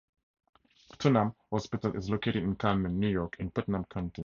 Putnam Hospital is located in Carmel, New York in Putnam County.